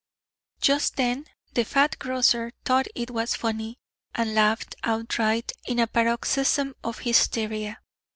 Just then the fat grocer thought it was funny, and laughed outright in a paroxysm of hysteria.